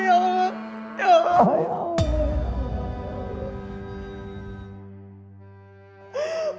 ya allah ya allah